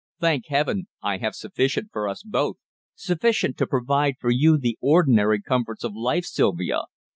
Thank Heaven! I have sufficient for us both sufficient to provide for you the ordinary comforts of life, Sylvia.